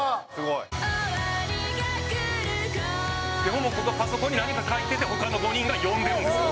「モモコがパソコンに何か書いてて他の５人が読んでるんですよ」